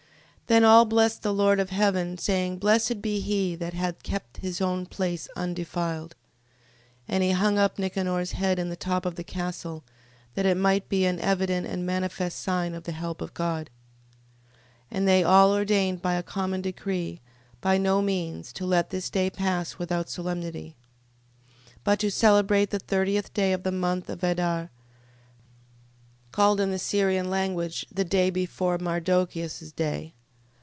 Then all blessed the Lord of heaven, saying: Blessed be he that hath kept his own place undefiled. 15:35. And he hung up Nicanor's head in the top of the castle, that it might be an evident and manifest sign of the help of God. 15:36. And they all ordained by a common decree, by no means to let this day pass without solemnity: 15:37. But to celebrate the thirteenth day of the month of Adar, called in the Syrian language, the day before Mardochias' day.